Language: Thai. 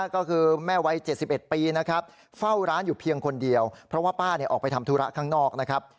ก็คือแม่วัย๗๑ปีนะครับเฝ้าร้านอยู่เพียงคนเดียวเพราะว่าป้าออกไปทำธุระข้างนอกนะครับ